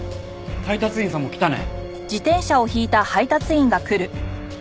配達員さんも来たね。